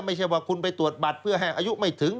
ไม่ใช่ว่าคุณไปตรวจบัตรเพื่อให้อายุไม่ถึง